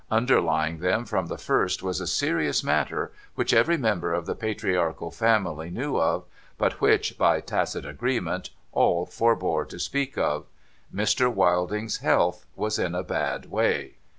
Underlying them from the first was a serious matter, which every member of the patriarchal family knew of, but which, by tacit agreement, all forbore to speak of. Mr. ^Vilding's health was in a bad way.